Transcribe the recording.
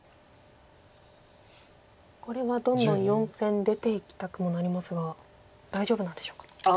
これはどんどん４線出ていきたくもなりますが大丈夫なんでしょうか。